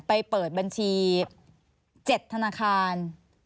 ไปเปิดบัญชี๗ธนาคาร